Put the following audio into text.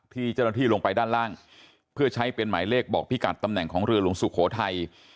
ที่เจ้าหน้าที่ลงไปด้านล่างเพื่อใช้เป็นหมายเลขบอกพิกัดตำแหน่งของเรือหลวงสุโขทัย